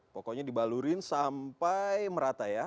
pokoknya dibalurin sampai merata ya